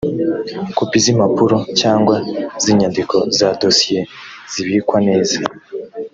kopi z’impapuro cyangwa z’inyandiko za dosiye, zibikwa neza